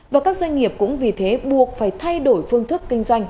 và các doanh nghiệp cũng vì thế buộc phải thay đổi phương thức kinh doanh